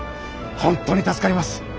本当に助かります。